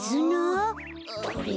これ？